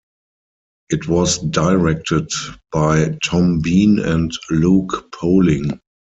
It was directed by Tom Bean and Luke Poling.